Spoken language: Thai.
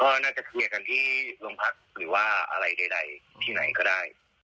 ก็น่าจะเคลียร์กันที่โรงพักหรือว่าอะไรใดที่ไหนก็ได้